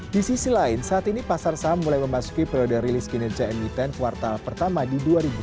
di sisi lain saat ini pasar saham mulai memasuki periode rilis kinerja emiten kuartal pertama di dua ribu dua puluh